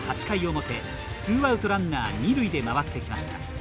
ツーアウトランナー二塁で回ってきました。